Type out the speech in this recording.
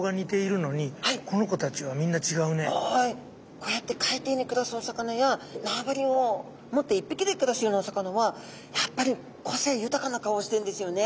こうやって海底に暮らすお魚や縄張りを持って１匹で暮らすようなお魚はやっぱり個性豊かな顔してんですよね。